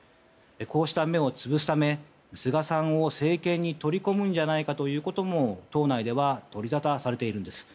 こうした芽を潰すため菅さんを政権に取り込むんじゃないかということも党内では取りざたされているんです。